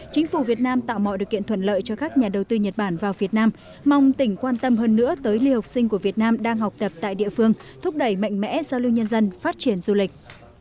chính phủ việt nam tạo mọi điều kiện thuận lợi cho các nhà đầu tư nhật bản vào việt nam mong tỉnh quan tâm hơn nữa tới lưu học sinh của việt nam đang học tập tại địa phương thúc đẩy mạnh mẽ giao lưu nhân dân phát triển du lịch